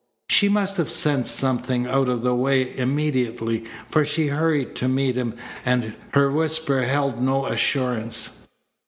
She must have sensed something out of the way immediately, for she hurried to meet him and her whisper held no assurance.